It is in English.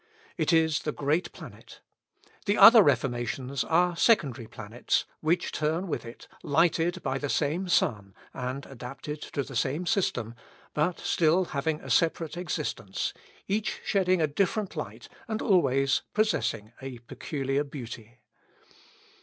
It is the great planet; the other Reformations are secondary planets, which turn with it, lighted by the same sun, and adapted to the same system, but still having a separate existence, each shedding a different light, and always possessing a peculiar beauty.